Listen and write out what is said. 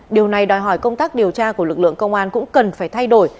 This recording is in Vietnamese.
điều này đòi hỏi công tác điều tra của lực lượng công an cũng cần phải thay đổi